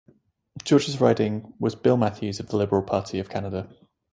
George's riding was Bill Matthews of the Liberal Party of Canada.